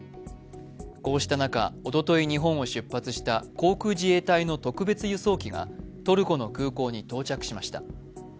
こうした中、おととい日本を出発した航空自衛隊の特別輸送機がトルコの空港に到着しました。